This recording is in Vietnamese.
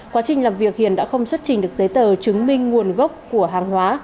quá trình làm việc hiền đã không xuất trình được giấy tờ chứng minh nguồn gốc của hàng hóa